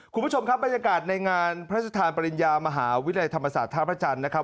คุณผู้ชมครับบรรยากาศในงานพระชธานปริญญามหาวิทยาลัยธรรมศาสตร์ท่าพระจันทร์นะครับ